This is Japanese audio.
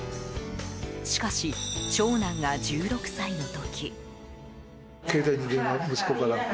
しかし、長男が１６歳の時。